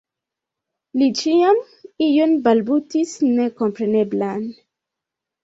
Li ĉiam ion balbutis nekompreneblan.